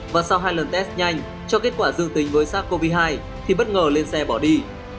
và sau hai lần test nhanh cho kết quả dương tính với sars cov hai thì bất ngờ lên xe bỏ đi